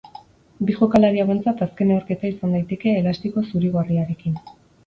Bi jokalari hauentzat azken neurketa izan daiteke elastiko zuri-gorriarekin.